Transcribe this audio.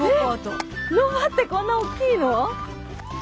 ロバってこんな大きいの？